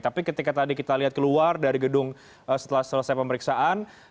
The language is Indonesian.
tapi ketika tadi kita lihat keluar dari gedung setelah selesai pemeriksaan